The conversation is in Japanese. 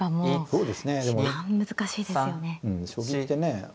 うん将棋ってね